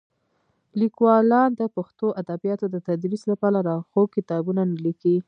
لیکوالان د پښتو ادبیاتو د تدریس لپاره لارښود کتابونه نه لیکي.